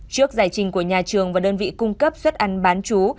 trước giải trình của nhà trường và đơn vị cung cấp suất ăn bán chú